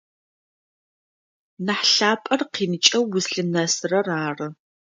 Нахь лъапӏэр къинкӏэ узлъынэсырэр ары.